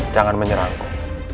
jangan menyerah aku